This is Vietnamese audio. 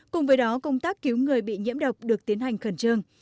cùng với đó công tác cứu người bị nhiễm độc được tiến hành khẩn trương